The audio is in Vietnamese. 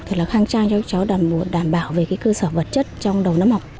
thật là khang trang cho các cháu đảm bảo về cơ sở vật chất trong đầu năm học